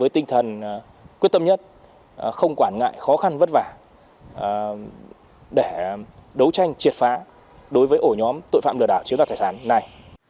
tâm nhất không quản ngại khó khăn vất vả để đấu tranh triệt phá đối với ổ nhóm tội phạm lừa đảo chiến đoạt thải sản này